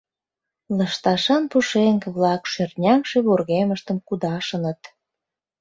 Лышташан пушеҥге-влак шӧртняҥше вургемыштым кудашыныт.